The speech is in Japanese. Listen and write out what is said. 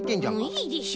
いいでしょ。